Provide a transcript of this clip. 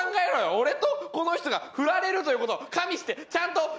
俺とこの人がフラれるという事を加味してちゃんと考えて！